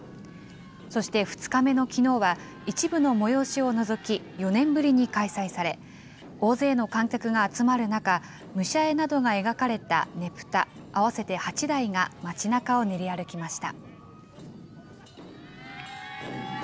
そして２日目のきのうは一部の催しを除き、４年ぶりに開催され、大勢の観客が集まる中、武者絵などが描かれたねぷた合わせて８台が街なかを練り歩きました。